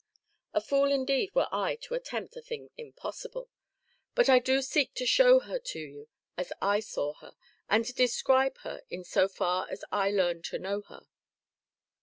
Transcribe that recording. A fool indeed were I to attempt a thing impossible; I do but seek to show her to you as I saw her, and to describe her in so far as I learned to know her.